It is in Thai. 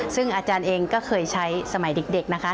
ซึ่งอาจารย์เองก็เคยใช้สมัยเด็กนะคะ